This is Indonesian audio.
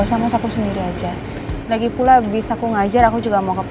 nanti kamu pulang ngajar jam berapa